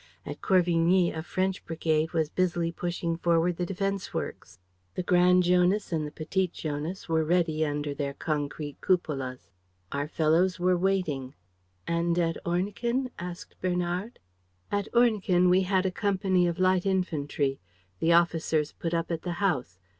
At Corvigny, a French brigade was busily pushing forward the defense works. The Grand Jonas and the Petit Jonas were ready under their concrete cupolas. Our fellows were waiting." "And at Ornequin?" asked Bernard. "At Ornequin, we had a company of light infantry. The officers put up at the house.